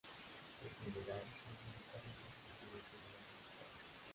En general, los militares no están bien entrenados ni equipados.